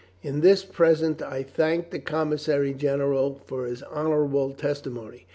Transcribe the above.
In this present I thank the commissary general for his honorable testimony.